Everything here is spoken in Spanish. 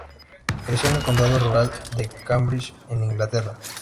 Creció en el condado rural de Cambridgeshire en Inglaterra.